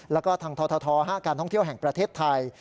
แล้วก็ทางทท๕การท่องเที่ยวแห่งประเทศไทย